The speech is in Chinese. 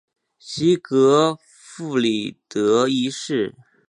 西格弗里德一世。